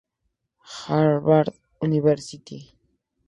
Harvard University.